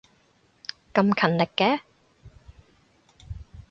咁勤力嘅